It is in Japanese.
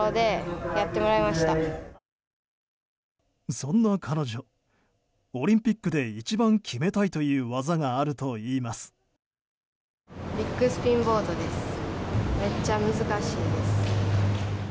そんな彼女オリンピックで一番決めたいという技があるといいます。